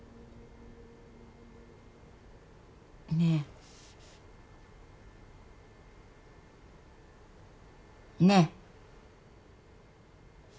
ねえ。ねえ。